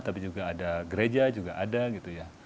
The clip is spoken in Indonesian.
tapi juga ada gereja juga ada gitu ya